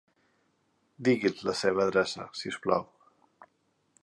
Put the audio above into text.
Digui'ls la seva adreça, si us plau.